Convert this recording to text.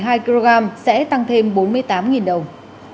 một bình một mươi hai kg sẽ tăng thêm bốn mươi tám đồng